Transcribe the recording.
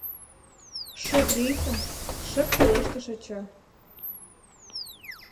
— Шып лийза! — шып пелештыш ача.